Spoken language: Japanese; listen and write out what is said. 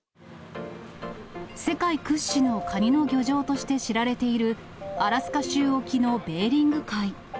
世界屈指のカニの漁場として知られているアラスカ州沖のベーリング海。